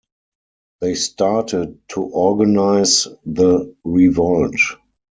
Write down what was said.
They started to organize the revolt.